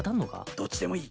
どっちでもいい。